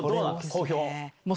好評？